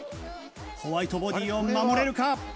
ホワイトボディを守れるか？